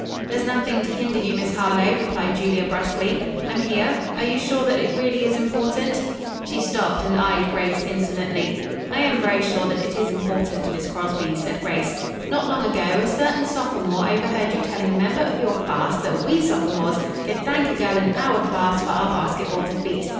"There's nothing to hinder you, Miss Harlowe," replied Julia brusquely. "I'm here. Are you sure that it really is important?" She stopped and eyed Grace insolently. "I am very sure that it is important, Miss Crosby," said Grace. "Not long ago a certain sophomore overheard you telling a member of your class that we sophomores could thank a girl in our class for our basketball defeat.